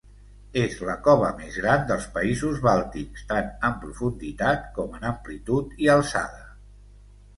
És la cova més gran dels països bàltics, tant en profunditat com en amplitud i alçada.